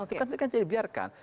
itu kan disengaja dibiarkan